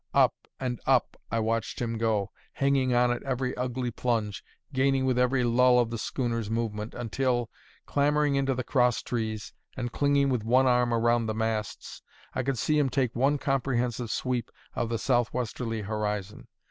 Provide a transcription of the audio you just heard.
Up and up, I watched him go, hanging on at every ugly plunge, gaining with every lull of the schooner's movement, until, clambering into the cross trees and clinging with one arm around the masts, I could see him take one comprehensive sweep of the southwesterly horizon.